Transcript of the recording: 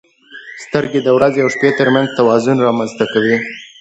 • سترګې د ورځې او شپې ترمنځ توازن رامنځته کوي.